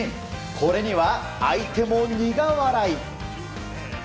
これには、相手も苦笑い。